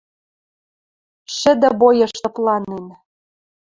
Шӹдӹ боеш тыпланен.